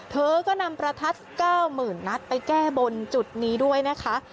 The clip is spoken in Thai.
เขาก็นำประทัดเก้ามึนนับไปแก้บนจุดนี้ด้วยนะคะ